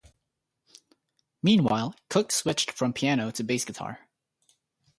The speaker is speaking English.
Meanwhile, Cook switched from piano to bass guitar.